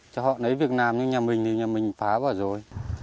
cho họ nấy việc làm nhưng nhà mình thì nhà mình phá bỏ rồi